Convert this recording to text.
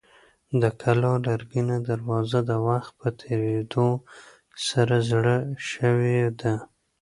د کلا لرګینه دروازه د وخت په تېرېدو سره زړه شوې ده.